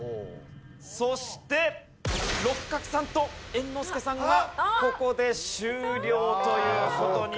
そして六角さんと猿之助さんがここで終了という事になります。